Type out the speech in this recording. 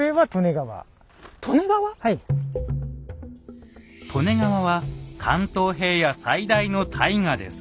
利根川は関東平野最大の大河です。